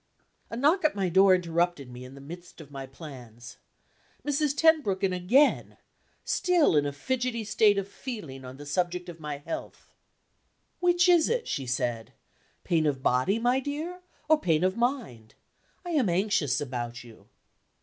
A knock at my door interrupted me in the midst of my plans. Mrs. Tenbruggen again! still in a fidgety state of feeling on the subject of my health. "Which is it?" she said. "Pain of body, my dear, or pain of mind? I am anxious about you."